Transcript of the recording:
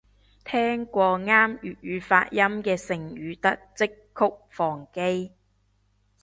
聽過啱粵語發音嘅成語得織菊防基